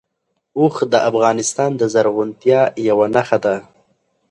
اوښ د افغانستان د زرغونتیا یوه نښه ده.